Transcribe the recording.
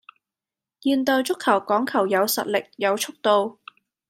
現代足球講求有實力,有速度